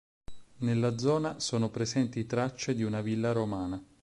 Nella zona sono presenti tracce di una villa romana.